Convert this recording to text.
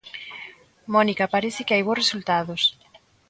Mónica, parece que hai bos resultados.